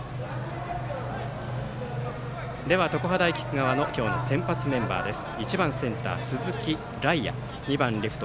では、常葉大菊川の今日の先発メンバーです。